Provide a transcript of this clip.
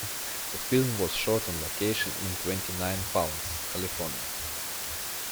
The film was shot on location in Twentynine Palms, California.